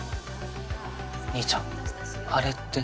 兄ちゃんあれって。